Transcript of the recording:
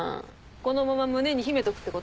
このまま胸に秘めとくってこと？